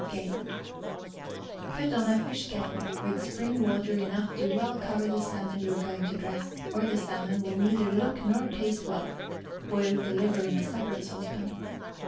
GAY. Put on a fish kettle, with spring water enough to well cover the salmon you are going to dress, or the salmon will neither look nor taste well (boil the liver in a separate saucepan).